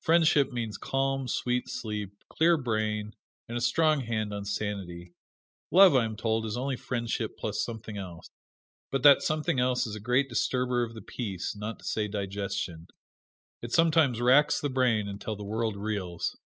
Friendship means calm, sweet sleep, clear brain and a strong hold on sanity. Love I am told is only friendship, plus something else. But that something else is a great disturber of the peace, not to say digestion. It sometimes racks the brain until the world reels.